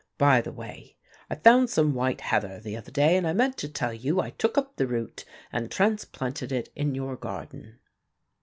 By the way, I found some white heather the other day, and I meant to tell you I took up the root and transplanted it in your garden."